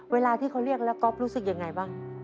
เวลาที่เขาเรียกแล้วก๊อฟรู้สึกยังไงบ้าง